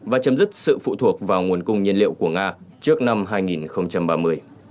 và chấm dứt sự phụ thuộc vào nguồn cung nhiên liệu của nga trước năm hai nghìn ba mươi